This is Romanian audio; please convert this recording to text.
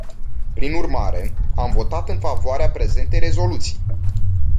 Prin urmare, am votat în favoarea prezentei rezoluții.